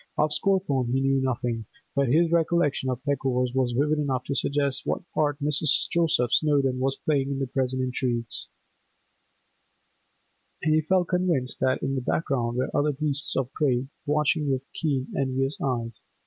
Of Scawthorne he knew nothing, but his recollection of the Peckovers was vivid enough to suggest what part Mrs. Joseph Snowdon was playing in the present intrigues, and he felt convinced that in the background were other beasts of prey, watching with keen, envious eyes.